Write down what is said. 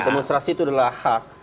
penemustrasi itu adalah hak